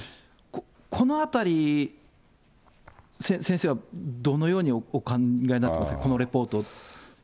このあたり、先生はどのようにお考えになっていますか、このレポート。